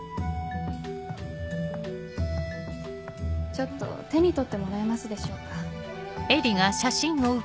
ちょっと手に取ってもらえますでしょうか？